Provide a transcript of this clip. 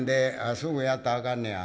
「すぐやったらあかんねや。